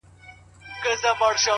سوال کوم کله دي ژړلي گراني “